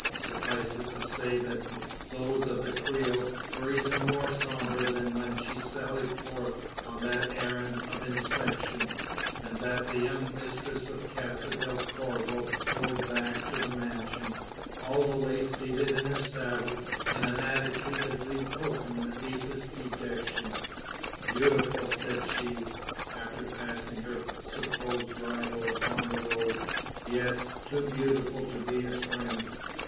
Suffice it to say, that those of the Creole were even more sombre than when she sallied forth on that errand of inspection; and that the young mistress of Casa del Corvo rode back to the mansion, all the way seated in her saddle in an attitude that betokened the deepest dejection. "Beautiful!" said she, after passing her supposed rival upon the road. "Yes; too beautiful to be his friend!"